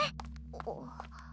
あっ。